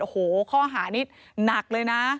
โอ้โหข้อหานี้หนักเลยนะ